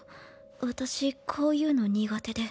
私こういうの苦手で。